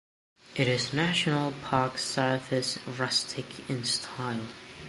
It is National Park Service Rustic in style.